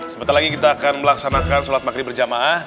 sebentar lagi kita akan melaksanakan sholat maghrib berjamaah